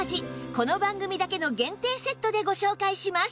この番組だけの限定セットでご紹介します！